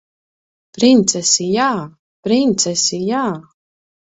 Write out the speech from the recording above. Princesi jā! Princesi jā!